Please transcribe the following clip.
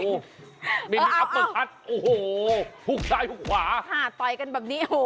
ไม่มีคับประทัดโอ้โหหุกซ้ายหุกขวาหาดต่อยกันแบบนี้โห